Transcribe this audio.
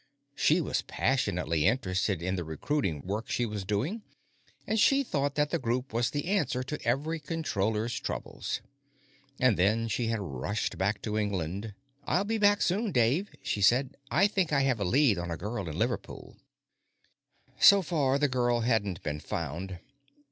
She was passionately interested in the recruiting work she was doing, and she thought that the Group was the answer to every Controller's troubles. And then she had rushed back to England. "I'll be back soon, Dave," she'd said. "I think I have a lead on a girl in Liverpool." So far, the girl hadn't been found.